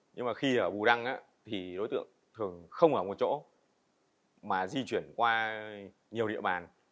nhưng mà khi ở bù đăng thì đối tượng thường không ở một chỗ mà di chuyển qua nhiều địa bàn